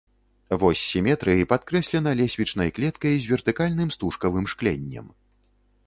Вось сіметрыі падкрэслена лесвічнай клеткай з вертыкальным стужкавым шкленнем.